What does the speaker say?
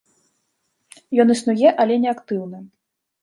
Ён існуе, але не актыўны.